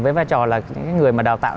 với vai trò là những người mà đào tạo